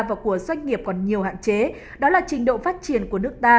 và của doanh nghiệp còn nhiều hạn chế đó là trình độ phát triển của nước ta